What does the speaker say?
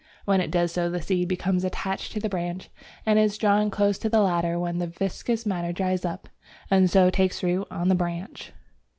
When it does so the seed becomes attached to the branch, and is drawn close to the latter when the viscous matter dries up, and so takes root on the branch.